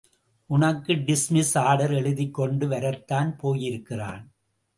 உனக்கு dismiss order எழுதிக்கொண்டு வரத்தான் போயிருக்கிறான்.